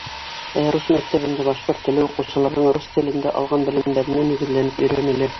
Ә рус мәктәбендә башҡорт теле уҡыусыларҙың рус телендә алған белемдәренә нигеҙләнеп өйрәнелә.